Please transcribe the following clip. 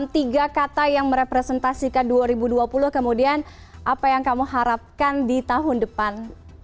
tiga kata yang merepresentasikan dua ribu dua puluh kemudian apa yang kamu harapkan di tahun depan